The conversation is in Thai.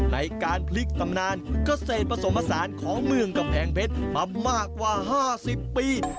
ในการพลิกตำนานเกษตรผสมผสานของเมืองกำแพงเพชรมามากกว่า๕๐ปี